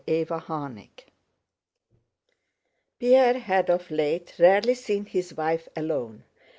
CHAPTER VI Pierre had of late rarely seen his wife alone.